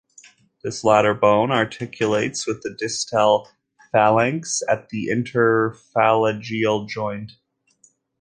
This latter bone articulates with the distal phalanx at the interphalangeal joint.